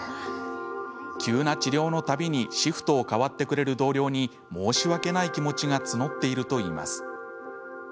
急な治療のたびにシフトを代わってくれる同僚に申し訳ない気持ちが募っているといいます。